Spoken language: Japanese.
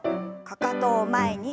かかとを前に。